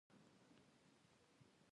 زده کړه نجونو ته د لاسي صنایعو ارزښت ښيي.